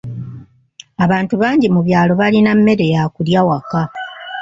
Abantu bangi mu byalo balima mmere ya kulya waka.